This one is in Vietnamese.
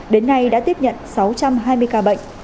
đến nay đã tiếp nhận sáu trăm hai mươi ca bệnh